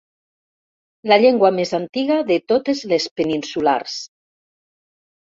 La llengua més antiga de totes les peninsulars.